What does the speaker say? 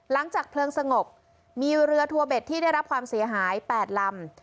หลังจากเพลิงสงบมีเรือทัวเบ็ดที่ได้รับความเสียหาย๘ลำ